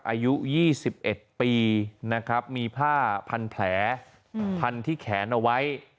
อายุ๒๑ปีนะครับมีผ้าพันแผลพันที่แขนเอาไว้